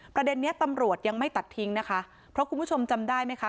ประเด็นนี้ตำรวจยังไม่ตัดทิ้งนะคะเพราะคุณผู้ชมจำได้ไหมคะ